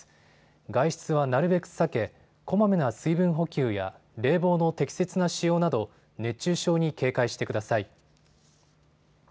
外出はなるべく避けこまめな水分補給や冷房の適切な使用など熱中症に警戒してください。